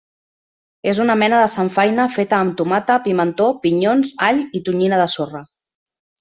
És una mena de samfaina feta amb tomata, pimentó, pinyons, all i tonyina de sorra.